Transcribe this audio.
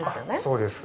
そうです。